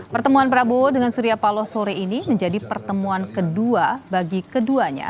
pertemuan prabowo dengan surya paloh sore ini menjadi pertemuan kedua bagi keduanya